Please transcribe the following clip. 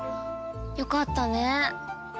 よかったね。